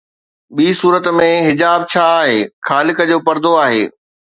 ٻي صورت ۾، حجاب ڇا آهي خالق جو پردو آهي